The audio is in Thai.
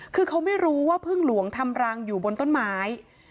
คือเขาไม่รู้ว่าพึ่งหลวงทำรังอยู่บนต้นไม้